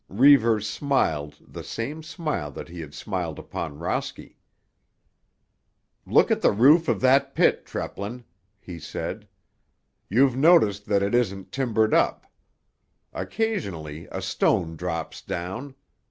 Reivers smiled the same smile that he had smiled upon Rosky. "Look at the roof of that pit, Treplin," he said. "You've noticed that it isn't timbered up. Occasionally a stone drops down.